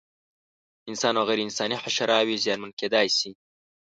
انسان او غیر انساني حشراوې زیانمن کېدای شي.